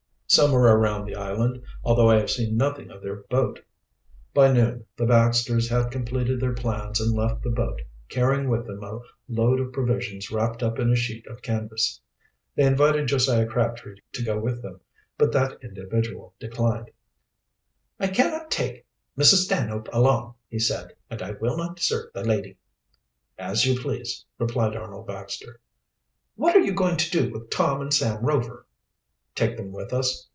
"Somewhere around the island, although I have seen nothing of their boat." By noon the Baxters had completed their plans and left the boat, carrying with them a load of provisions wrapped up in a sheet of canvas. They invited Josiah Crabtree to go with them, but that individual declined. "I cannot take Mrs. Stanhope along," he said, "and I will not desert the lady." "As you please," replied Arnold Baxter. "What are you going to do with Tom and Sam Rover?" "Take them with us.